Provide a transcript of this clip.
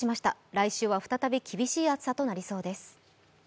来週は再び厳しい暑さとなりそうです。